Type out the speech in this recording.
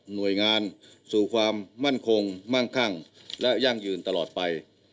หน่วยงานสู่ความมั่นคงมั่งคั่งและยั่งยืนตลอดไป